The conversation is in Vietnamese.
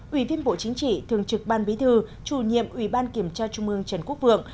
ủy viên bộ chính trị thường trực ban bí thư chủ nhiệm ủy ban kiểm tra trung ương trần quốc vượng